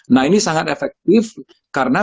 nah ini sangat efektif karena